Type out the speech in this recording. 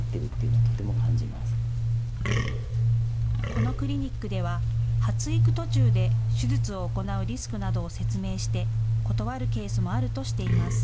このクリニックでは発育途中で手術を行うリスクなどを説明して断るケースもあるとしています。